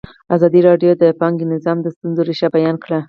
ازادي راډیو د بانکي نظام د ستونزو رېښه بیان کړې.